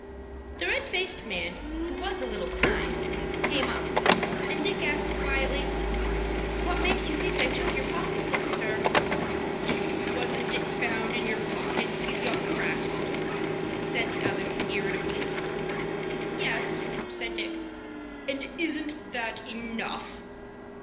The red faced man, who was a little behind, came up, and Dick asked, quietly, "What makes you think I took your pocket book, sir?" "Wasn't it found in your pocket, you young rascal?" said the other, irritably. "Yes," said Dick. "And isn't that enough?"